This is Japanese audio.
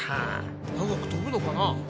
長く飛ぶのかな？